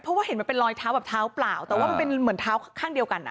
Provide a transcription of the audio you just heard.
เพราะว่าเห็นมันเป็นรอยเท้าแบบเท้าเปล่าแต่ว่ามันเป็นเหมือนเท้าข้างเดียวกันอ่ะ